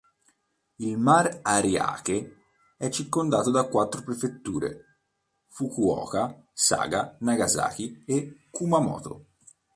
Il Mar Ariake è circondato da quattro prefetture: Fukuoka, Saga, Nagasaki e Kumamoto.